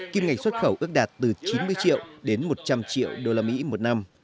kim ngạch xuất khẩu ước đạt từ chín mươi triệu đến một trăm linh triệu usd một năm